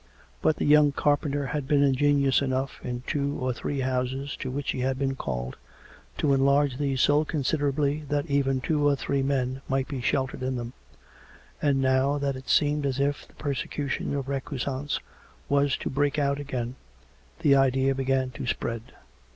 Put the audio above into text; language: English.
But the young carpenter had been ingenious enough in two or three houses to which he had been called, to enlarge these so considerably that even two or three men might be sheltered in them; and, now that it seemed as if the persecution of recusants was to break out again, the idea began to spread.